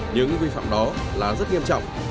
những vi phạm đó là rất nghiêm trọng